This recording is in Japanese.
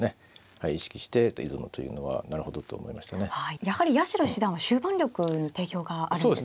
やはり八代七段は終盤力に定評があるんですね。